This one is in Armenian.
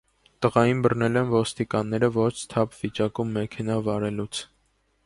Տղային բռնել են ոստիկանները ոչ սթափ վիճակում մեքենա վարելուց։